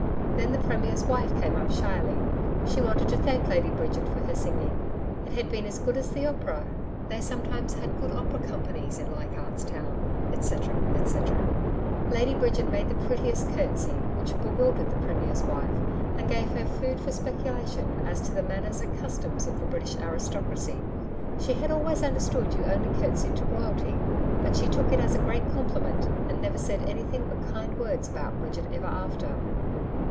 Then the Premier's wife came up shyly; she wanted to thank Lady Bridget for her singing. It had been as good as the Opera They sometimes had good opera companies in Leichardt's Town, etcetera, etcetera. Lady Bridget made the prettiest curtsey, which bewildered the Premier's wife and gave her food for speculation as to the manners and customs of the British aristocracy. She had always understood you only curtsied to Royalty. But she took it as a great compliment and never said anything but kind words about Bridget ever after.